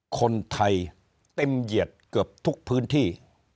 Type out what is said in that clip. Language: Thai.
คนไทยเต็มเหยียดเกือบทุกพื้นที่